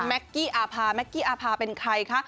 กี้อาภาแก๊กกี้อาภาเป็นใครคะ